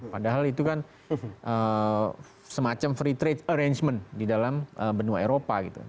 padahal itu kan semacam free trade arrangement di dalam benua eropa gitu